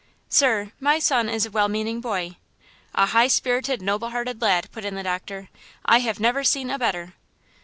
"Sir, my son is a well meaning boy–" "A high spirited, noble hearted lad!" put in the doctor. "I have never seen a better!"